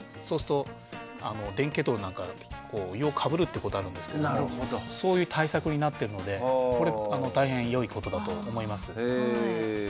そうすると電気ケトルなんかお湯をかぶるってことあるんですけどそういう対策になってるのでこれ大変良いことだと思います。